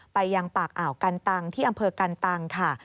ยังปากอ่าวกันตังที่อำเภอกันตังค่ะ